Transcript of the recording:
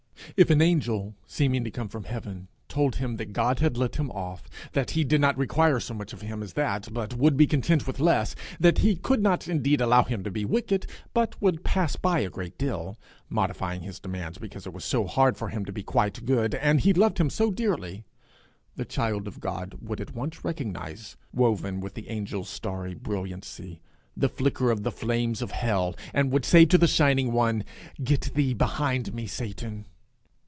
If an angel, seeming to come from heaven, told him that God had let him off, that he did not require so much of him as that, but would be content with less; that he could not indeed allow him to be wicked, but would pass by a great deal, modifying his demands because it was so hard for him to be quite good, and he loved him so dearly, the child of God would at once recognize, woven with the angel's starry brilliancy, the flicker of the flames of hell, and would say to the shining one, 'Get thee behind me, Satan.'